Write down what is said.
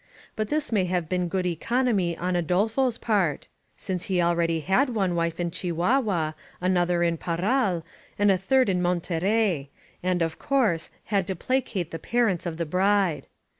But this may have been good economy on Adolf o's part, since he already had one wife in Chihuahua, another in Farral, and a third in Monterey, and, of course, had to pla cate the parents of the bride.